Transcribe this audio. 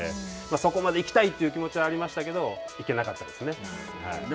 そこまで行きたいという気持ちはありましたけど、行けなかったですね。